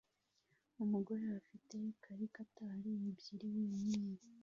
Umugore afite karikatari ebyiri wenyine